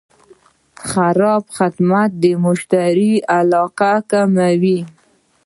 خراب خدمت د مشتری علاقه کموي.